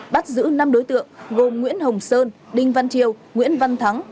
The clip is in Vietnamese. bắt giữ năm đối tượng gồm nguyễn hồng sơn đinh văn triều nguyễn văn thắng